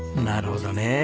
なるほどね。